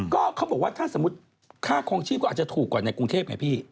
ก็เขาบอกว่าถ้าสมมุติค่าคลองชีพก็อาจจะถูกกว่าในกรุงเทพไงพี่